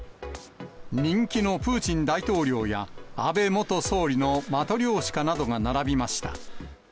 人気のプーチン大統領や安倍元総理のマトリョーシカなどが並びました。